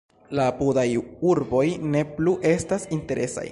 La apudaj urboj ne plu estas interesaj.